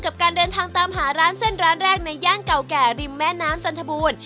กับการเดินทางตามหาร้านเส้นร้านแรกในย่านเก่าแก่ริมแม่น้ำจันทบูรณ์